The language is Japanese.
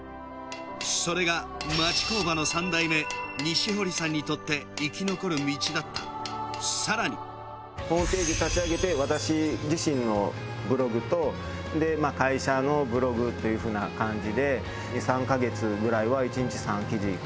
それが町工場の３代目西堀さんにとって生き残る道だったさらにホームページ立ち上げて私自身のブログと会社のブログというふうな感じでのん違うかな